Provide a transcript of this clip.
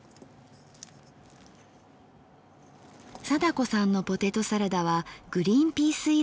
貞子さんのポテトサラダはグリンピース入り。